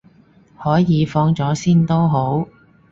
可以，放咗先都好